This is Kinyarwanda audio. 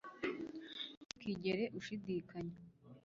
ntukigere ushidikanya